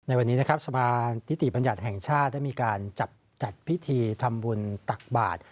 ในวันนี้นะครับสภานิติบัญญัติแห่งชาติได้มีการจัดพิธีทำบุญตักบาท